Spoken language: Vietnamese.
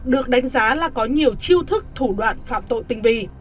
được đánh giá là có nhiều chiêu thức thủ đoạn phạm tội tình vì